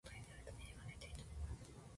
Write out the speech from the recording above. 外に出ると虹が出ていた。